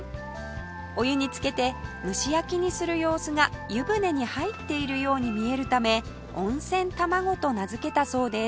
お湯に浸けて蒸し焼きにする様子が湯船に入っているように見えるため「温泉玉子」と名付けたそうです